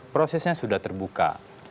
prosesnya sudah terbuka